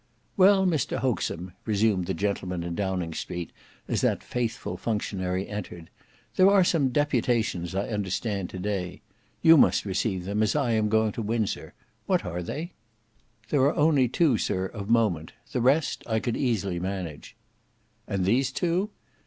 "Well, Mr Hoaxem," resumed the gentleman in Downing Street as that faithful functionary entered, "there are some deputations I understand, to day. You must receive them, as I am going to Windsor. What are they?" "There are only two, sir, of moment. The rest I could easily manage." "And these two?"